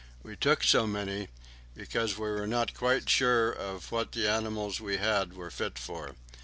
We took so many, because we were not quite sure of what the animals we had were fit for.